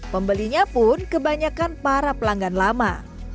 pembelinya pun kebanyakan para pelanggan lama